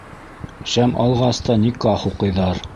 Шәм алғас та, никах уҡыйҙар.